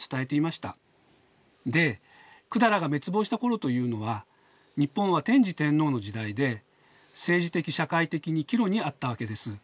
で百済が滅亡した頃というのは日本は天智天皇の時代で政治的社会的に岐路にあったわけです。